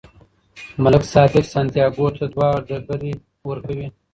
ملک صادق سانتیاګو ته دوه ډبرې ورکوي.